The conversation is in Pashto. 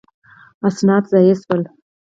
اسناد ضایع شول.